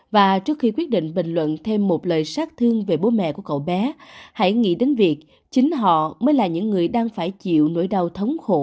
và trước khi quyết định bình luận thêm một lời sát thương về bố mẹ của cậu bé hãy nghĩ đến việc chính họ mới là những người đang phải chịu nỗi đau thống khổ vì mất con